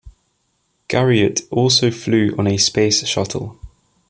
Garriott also flew on the Space Shuttle.